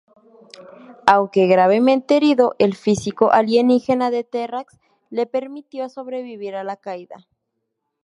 Aunque gravemente herido, el físico alienígena de Terrax le permitió sobrevivir a la caída.